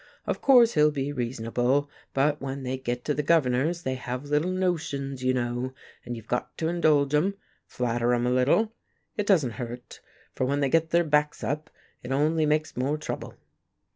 Of course he'll be reasonable, but when they get to be governors they have little notions, you know, and you've got to indulge 'em, flatter 'em a little. It doesn't hurt, for when they get their backs up it only makes more trouble."